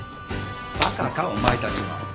馬鹿かお前たちは。